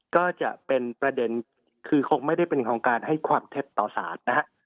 ก็จะเป็นประเด็นคือคงไม่ได้เป็นของการให้ความเท็จต่อสารนะฮะ